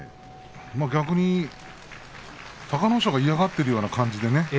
逆に隆の勝が嫌がっているような感じでね。